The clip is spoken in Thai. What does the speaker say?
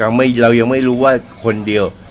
ยังไม่มียังไม่มี